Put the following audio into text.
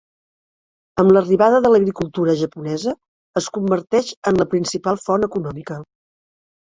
Amb l'arribada de l'agricultura japonesa, es converteix en la principal font econòmica.